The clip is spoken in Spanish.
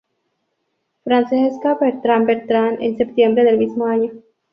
Francesca Bertrán Bertrán, en septiembre del mismo año.